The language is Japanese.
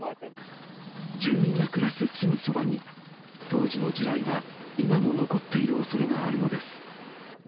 住民が暮らすすぐそばに、当時の地雷が今も残っているおそれがあるのです。